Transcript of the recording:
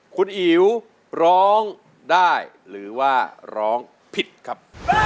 คุณอิ๋วร้องได้หรือว่าร้องผิดครับ